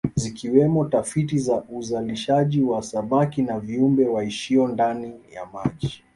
Zikiwemo tafiti za uzalishaji wa samaki na viumbe waishio ndani ya maji